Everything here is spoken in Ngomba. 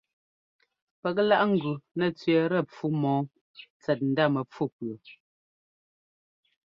Pɛ́k láꞌ ŋ́gʉ nɛ́ tsẅɛ́ɛtɛ pfú mɔ́ɔ tsɛt ndá mɛpfú pʉɔ.